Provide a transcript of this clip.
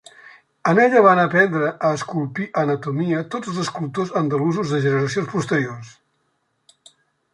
En ella van aprendre a esculpir anatomia tots els escultors andalusos de generacions posteriors.